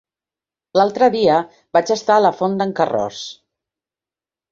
L'altre dia vaig estar a la Font d'en Carròs.